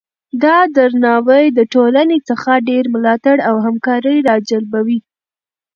دا درناوی د ټولنې څخه ډیر ملاتړ او همکاري راجلبوي.